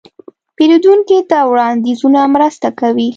پیرودونکي ته وړاندیزونه مرسته کوي.